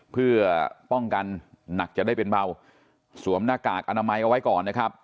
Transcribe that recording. เพื่อป้องกันหนักจะได้เป็นเบาสวมหน้ากากอนามัยเอาไว้ก่อนนะครับ